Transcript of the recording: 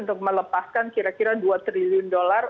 untuk melepaskan kira kira dua triliun dolar